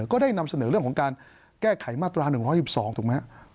ก็ได้นำเสนอเรื่องของการแก้ไขมาตรา๑๑๒ถูกไหมครับ